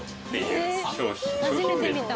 初めて見た。